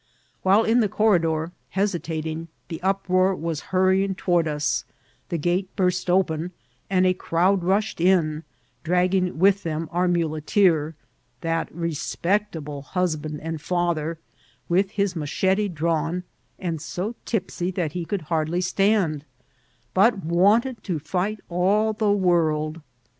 While in tfie corridor, hesitating, the up roar was hurrying toward ub ; the gate burst open, and a crowd rushed in, cbagging with them our muleteer, that respectable husband and father, with his machete drawn, and so tipsy that he could hardly stand, but wanted to fight all the world.